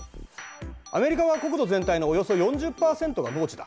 アメリカは国土全体のおよそ４０％が農地だ。